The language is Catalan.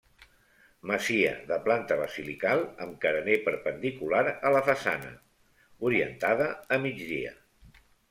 Masia de planta basilical amb carener perpendicular a la façana, orientada a migdia.